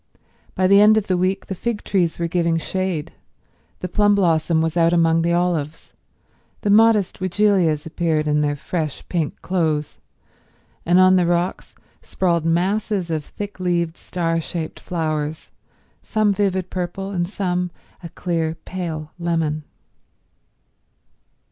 By the end of the week the fig trees were giving shade, the plum blossom was out among the olives, the modest weigelias appeared in their fresh pink clothes, and on the rocks sprawled masses of thick leaved, star shaped flowers, some vivid purple and some a clear, pale lemon.